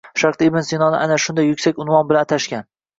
Sharqda Ibn Sinoni mana shunday yuksak unvon bilan atashgan